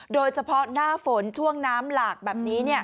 โดยเฉพาะหน้าฝนช่วงน้ำหลากแบบนี้